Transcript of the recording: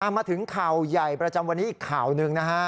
มาถึงข่าวใหญ่ประจำวันนี้อีกข่าวหนึ่งนะฮะ